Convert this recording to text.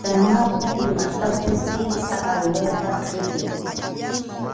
Llamaqa imatapas kimsa aruwata qʼipin.